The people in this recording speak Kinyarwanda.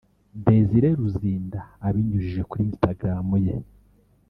Desire Luzinda abinyujije kuri Instagram ye